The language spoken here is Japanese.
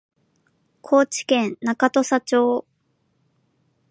高知県中土佐町